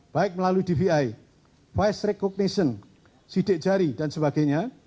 baik melalui dvi vice recognition sidik jari dan sebagainya